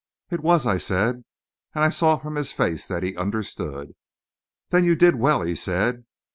"It was," I said, and I saw from his face that he understood. "Then you did well," he said.